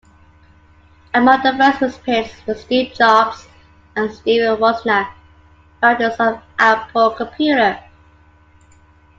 Among the first recipients were Steve Jobs and Stephen Wozniak, founders of Apple Computer.